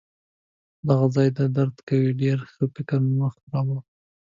دغه ځای دي درد کوي؟ ډیر ښه! فکر مه خرابوه.